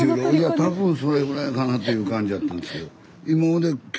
多分それぐらいかなという感じやったんですけど。